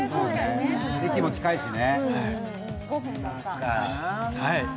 駅も近いしね。